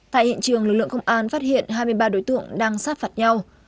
tại hiện trường lực lượng công an phát hiện hai mươi ba đối tượng đang sát phạt nhau